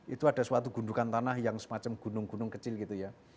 itu ada suatu gundukan tanah yang semacam gunung gunung kecil gitu ya